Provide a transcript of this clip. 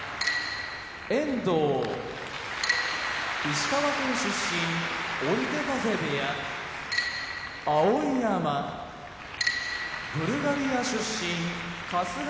遠藤石川県出身追手風部屋碧山ブルガリア出身春日野部屋